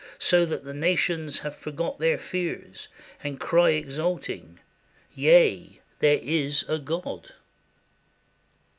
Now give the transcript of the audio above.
So that the nations have forgot their fears. And cry exulting, Yea, there is a God!"